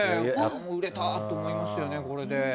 売れたと思いましたよね、これで。